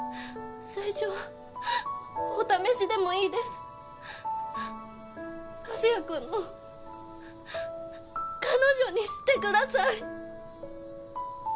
最初はお試しでもいいです和也くんの彼女にしてください！